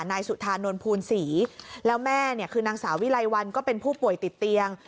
นายสุธานนท์ภูลศรีแล้วแม่เนี่ยคือนางสาววิไลวันก็เป็นผู้ป่วยติดเตียง